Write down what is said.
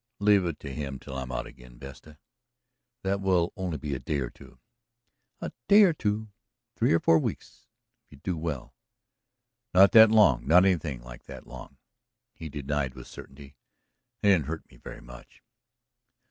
"Leave it to him till I'm out again, Vesta; that will only be a day or two " "A day or two! Three or four weeks, if you do well." "No, not that long, not anything like that long," he denied with certainty. "They didn't hurt me very much."